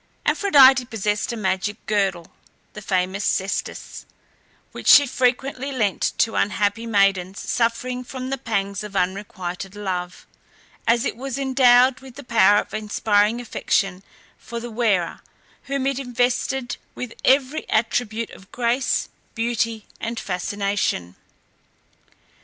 Aphrodite possessed a magic girdle (the famous cestus) which she frequently lent to unhappy maidens suffering from the pangs of unrequited love, as it was endowed with the power of inspiring affection for the wearer, whom it invested with every attribute of grace, beauty, and fascination.